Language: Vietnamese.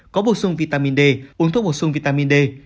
có bổ sung vitamin d uống thuốc bổ sung vitamin d